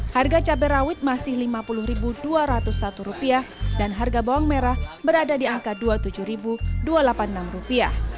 harga cabai rawit masih rp lima puluh dua ratus satu dan harga bawang merah berada di angka rp dua puluh tujuh dua ratus delapan puluh enam